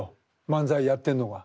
漫才やってんのが。